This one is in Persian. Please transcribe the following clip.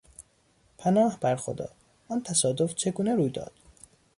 پناه بر خدا! آن تصادف چگونه روی داد؟